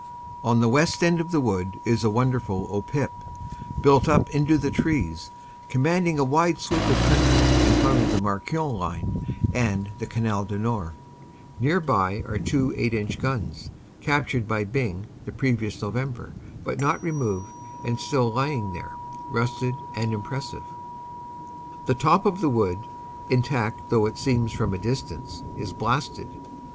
On the west end of the wood is a wonderful "O Pip," built up into the trees, commanding a wide sweep of country in front of the Marquion line and the Canal du Nord. Near by are two 8 inch guns, captured by Byng the previous November but not removed and still lying there, rusted and impressive. The top of the wood, intact though it seems from a dis tance, is blasted.